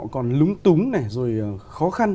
còn lúng túng này rồi khó khăn